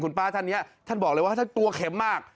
ป้าท่านนี้ท่านบอกเลยว่าท่านตัวเข็มมาก